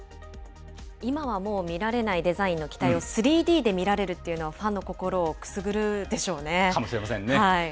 今はもう、見られないデザインの機体を３Ｄで見られるっていうのは、かもしれませんね。